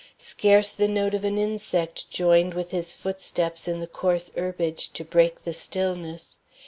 Scarce the note of an insect joined with his footsteps in the coarse herbage to break the stillness.